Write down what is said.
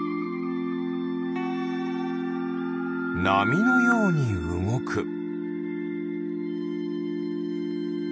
なみのようにうごく。